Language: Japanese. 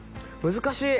難しい！